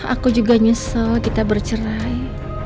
aku juga nyesel kita bercerai